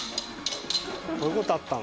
こういう事あったの？